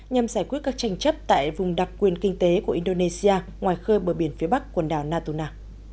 nhằm giải quyết các tranh chấp tại vùng đặc quyền kinh tế của indonesia ngoài khơi bờ biển phía bắc quần đảo natuna